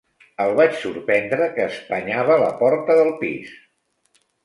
El vaig sorprendre que espanyava la porta del pis.